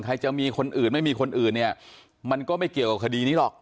ใครจะมีคนอื่นไม่มีคนอื่นเนี่ยมันก็ไม่เกี่ยวกับคดีนี้หรอก